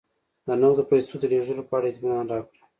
د نغدو پیسو د لېږلو په اړه اطمینان راکړه